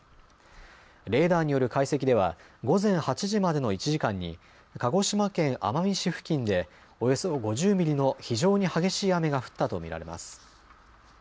レーダーによる解析では午前８時までの１時間に鹿児島県奄美市付近でおよそ５０ミリの非常に激しい雨が降ったと見られます。